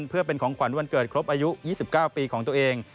เพื่อเป็นของขวัญวันเกิดครบอายุ๒๙ปีของตัวเอง